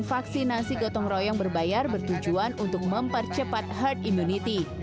vaksinasi gotong royong berbayar bertujuan untuk mempercepat herd immunity